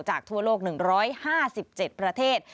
ทั่วโลก๑๕๗ประเทศ